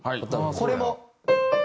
これも。